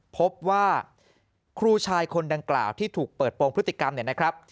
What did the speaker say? พบว่าครูชายคนดังกล่าวที่ถูกเปิดโปรงพฤติกรรมเนี่ยนะครับ